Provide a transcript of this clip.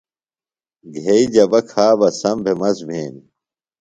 گھئی جبہ کھا بہ سم بھےۡ مست بھینیۡ۔